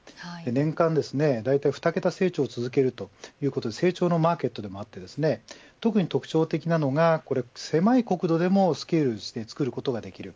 年間大体２桁成長を続けるということで成長のマーケットでもあり特に特徴的なのが狭い国土でも作ることができる。